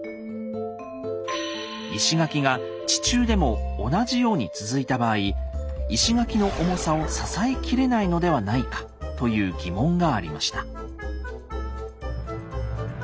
石垣が地中でも同じように続いた場合石垣の重さを支えきれないのではないかという疑問がありました。